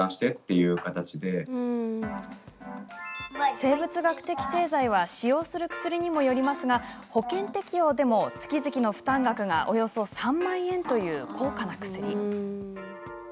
生物学的製剤は使用する薬にもよりますが保険適用でも、月々の負担額がおよそ３万円という高価な薬。